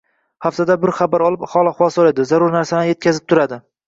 Haftada bir xabar olib, hol-ahvol soʻraydi, zarur narsalarni yetkazib turadi